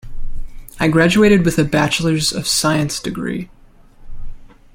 I graduated with a bachelors of science degree.